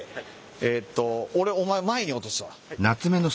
えとおれお前前に落とすわ。